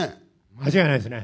間違いないですね。